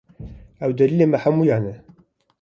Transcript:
Ew delîlê me hemûyan e